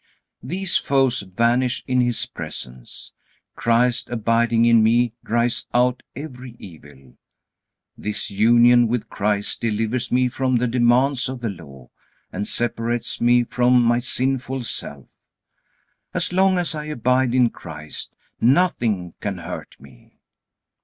These foes vanish in His presence. Christ abiding in me drives out every evil. This union with Christ delivers me from the demands of the Law, and separates me from my sinful self. As long as I abide in Christ, nothing can hurt me.